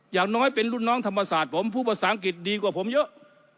อย่างน้อยเป็นรุ่นน้องธรรมศาสตร์ผมพูดภาษาอังกฤษดีกว่าผมเยอะ